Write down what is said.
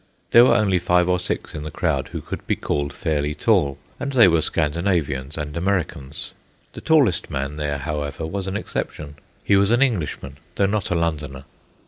There were only five or six in the crowd who could be called fairly tall, and they were Scandinavians and Americans. The tallest man there, however, was an exception. He was an Englishman, though not a Londoner.